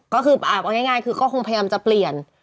ก็คือเอาง่ายคือก็คงพยายามจะเปลี่ยน